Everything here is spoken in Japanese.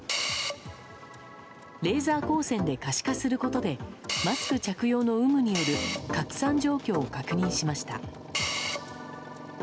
レーザー光線で可視化することでマスク着用の有無による拡散状況を確認しました。